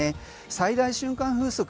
最大瞬間風速